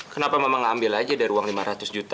kenapa memang nggak ambil aja dari uang lima ratus juta